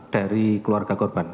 dari keluarga korban